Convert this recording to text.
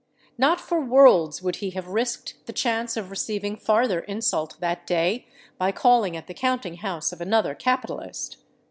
Not for worlds would he have risked the chance of receiving farther insult that day, by calling at the counting house of another capitalist!